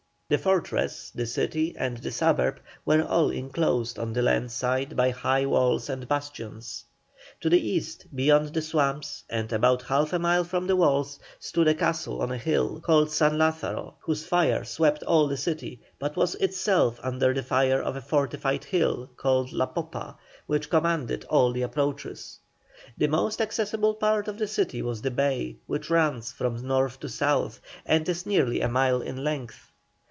The fortress, the city, and the suburb, were all enclosed on the land side by high walls and bastions. To the east, beyond the swamps, and about half a mile from the walls, stood a castle on a hill, called San Lázaro, whose fire swept all the city, but was itself under the fire of a fortified hill, called La Popa, which commanded all the approaches. The most accessible part of the city was the bay, which runs from north to south, and is nearly a mile in length.